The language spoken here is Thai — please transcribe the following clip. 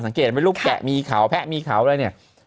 สังเกตเป็นรูปแกะมีเขาแพะมีเขาเลยเนี่ย